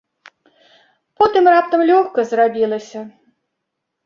Потым раптам лёгка зрабілася.